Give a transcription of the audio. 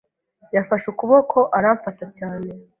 Yafashe ukuboko aramfata cyane.